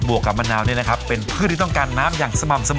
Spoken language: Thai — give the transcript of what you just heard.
วกกับมะนาวนี่นะครับเป็นพืชที่ต้องการน้ำอย่างสม่ำเสมอ